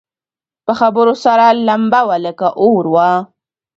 په خبرو سره لمبه وه لکه اور وه